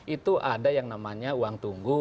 itu ada yang namanya uang tunggu